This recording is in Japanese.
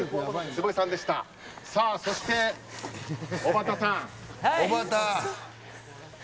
そして、おばたさん。